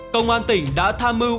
công an tỉnh đã tham mưu